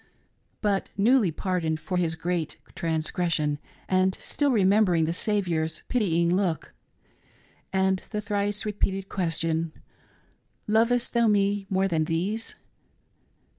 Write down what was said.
But newly pardoned for his great traiis gression, and still remembering the Saviour's pitying look, and the thrice repeated question —" Lovest thou Me more than these